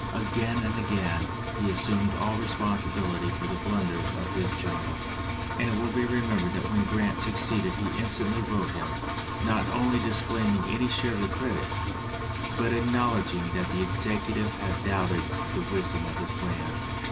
Again and again he assumed all responsibility for the blunders of his 187 LINCOLN THE LAWYER generals, and it will be remembered that when Grant succeeded he instantly wrote him, not only disclaiming any share of the credit, but acknowl edging that the executive had doubted the wis dom of his plans.